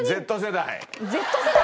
Ｚ世代。